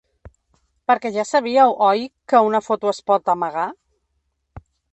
Perquè ja sabíeu, oi, que una foto es pot ‘amagar’?